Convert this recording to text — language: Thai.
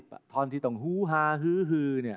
โปรดติดตามต่อไป